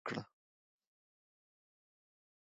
سوالګر ته د زړونو دروازې خلاصې کړه